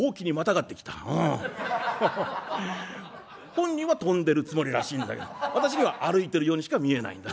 本人は飛んでるつもりらしいんだけど私には歩いてるようにしか見えないんだ。